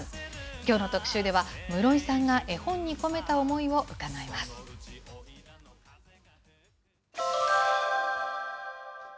きょうの特集では、室井さんが絵本に込めた思いを伺います。